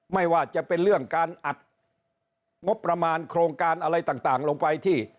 ไม่ว่าจะเป็นเรื่องการอัดงบประมาณโครงการอะไรต่างลงไปที่